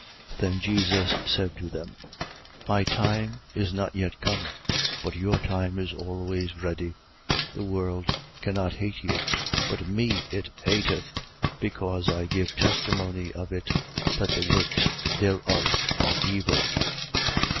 7:6. Then Jesus said to them: My time is not yet come; but your time is always ready. 7:7. The world cannot hate you: but me it hateth, because I give testimony of it, that the works thereof are evil, 7:8.